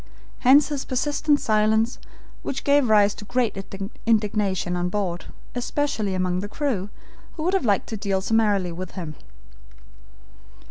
Hence his persistent silence, which gave rise to great indignation on board, especially among the crew, who would have liked to deal summarily with him.